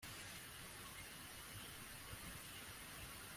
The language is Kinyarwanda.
vase yaguye kumeza iragwa